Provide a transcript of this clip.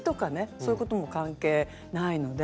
そういうことも関係ないので。